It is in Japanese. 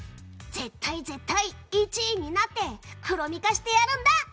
絶対絶対１位になってクロミ化してやるんだ！